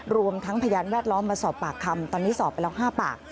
รวมทั้งพยานแวดล้อมมาสอบปากคำตอนนี้สอบไปแล้ว๕ปาก